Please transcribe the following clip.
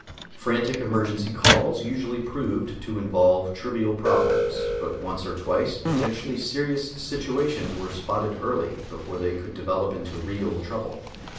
Frantic emergency calls usually proved to involve trivial problems, but once or twice potentially serious situations were spotted early, before they could develop into real trouble.